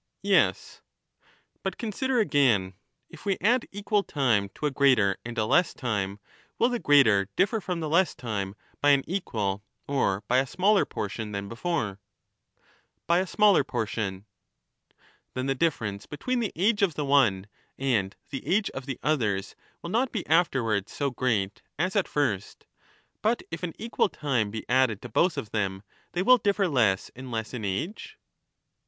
Yes. But consider again ; if we add equal time to a greater and But if an a less time, will the greater differ from the less time by an ^^^j^* equal or by a smaller portion than before ? to a greater By a smaller portion. fhe'^rl^tive Then the difference between the age of the one and the diflference age of the others will not be aflerwards so great as at first, *f ^^^^'^ but if an equal time be added to both of them they will differ diminishes ; less and less in age